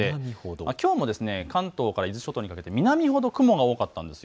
きょうも関東から伊豆諸島にかけて南ほど雲が多かったんです。